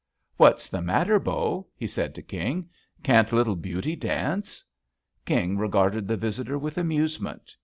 "What's the matter. Bo'?" he said to King. "Can't little Beauty dance?" King regarded the visitor with amusement.